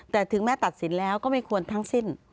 แต่ถึงแม้ตัดสินแล้วก็ไม่ควรทั้งสิ้น